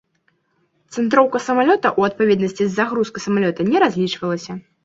Цэнтроўка самалёта ў адпаведнасці з загрузкай самалёта не разлічвалася.